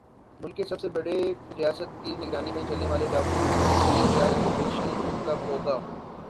ملک کے سب سے بڑے ریاست کی نگرانی میں چلنے والے ڈاکو ملک ریاض کا آپریشن کب ھوگا